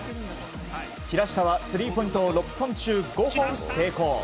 平下はスリーポイントを６本中５本成功。